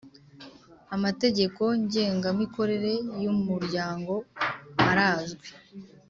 amategeko ngengamikorere y Umuryango arazwi